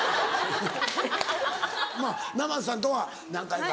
まぁ生瀬さんとは何回か。